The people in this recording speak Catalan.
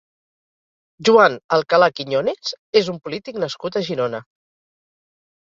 Joan Alcalà Quiñones és un polític nascut a Girona.